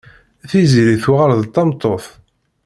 Tiziri tuɣal d tameṭṭut.